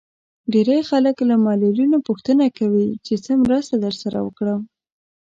ډېری خلک له معلولينو پوښتنه کوي چې څه مرسته درسره وکړم.